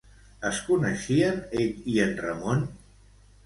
Es coneixien ell i en Ramon?